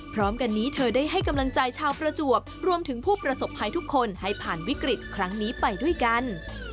พร้อมกันนี้เธอได้ให้กำลังใจชาวประจวบรวมถึงผู้ประสบภัยทุกคนให้ผ่านวิกฤตครั้งนี้ไปด้วยกัน